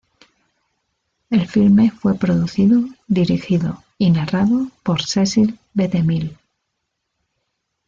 El filme fue producido, dirigido y narrado por Cecil B. DeMille.